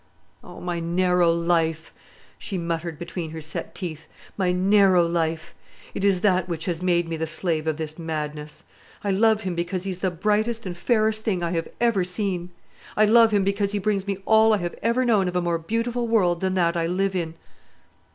"Oh, my narrow life!" she muttered between her set teeth; "my narrow life! It is that which has made me the slave of this madness. I love him because he is the brightest and fairest thing I have ever seen. I love him because he brings me all I have ever known of a more beautiful world than that I live in.